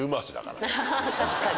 確かに。